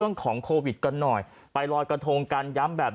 เรื่องของโควิดกันหน่อยไปลอยกระทงกันย้ำแบบ